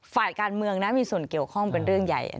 ฝ่ายการเมืองนะมีส่วนเกี่ยวข้องเป็นเรื่องใหญ่